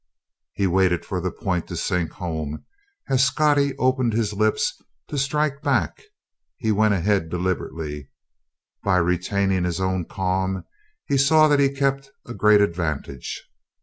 He waited for that point to sink home; as Scottie opened his lips to strike back, he went ahead deliberately. By retaining his own calm he saw that he kept a great advantage.